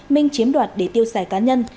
minh chiếm đoạt để tiêu xài cá nhân